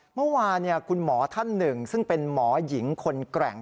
เมื่อวานคุณหมอท่านหนึ่งซึ่งเป็นหมอหญิงคนแกร่ง